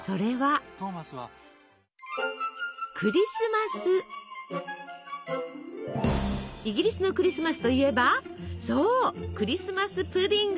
イギリスのクリスマスといえばそうクリスマス・プディング。